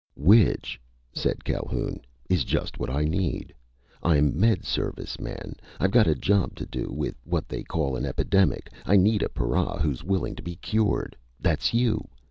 "Which," said Calhoun, "is just what I need. I'm Med Service, man! I've got a job to do with what they call an epidemic! I need a para who's willing to be cured! That's you!